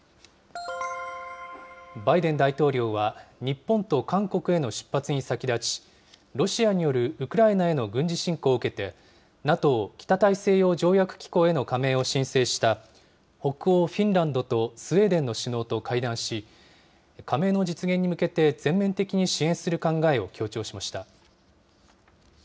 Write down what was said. バイデン大統領は、日本と韓国への出発に先立ち、ロシアによるウクライナへの軍事侵攻を受けて、ＮＡＴＯ・北大西洋条約機構への加盟を申請した、北欧フィンランドとスウェーデンの首脳と会談し、加盟の実現に向けて、全面的に支援する考えを強調しました。